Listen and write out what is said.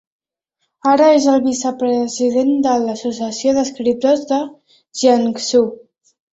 Ara és el vicepresident de l'Associació d'escriptors de Jiangsu.